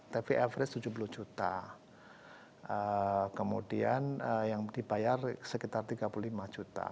tapi average tujuh puluh juta kemudian yang dibayar sekitar tiga puluh lima juta